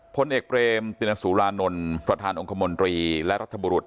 พลเอกเบรมตินสุรานนท์ประธานองค์คมนตรีและรัฐบุรุษ